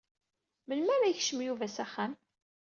Melmi ara yekcem Yuba s axxam?